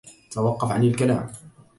توقف عن الكلام